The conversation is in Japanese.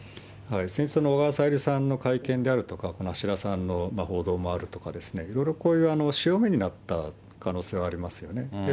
小川さゆりさんの会見であるとか、橋田さんの報道もあるとか、いろいろ潮目になった可能性ありますよね。